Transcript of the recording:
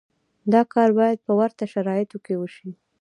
دا کار باید په ورته شرایطو کې وشي.